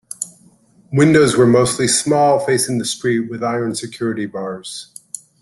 Windows were mostly small, facing the street, with iron security bars.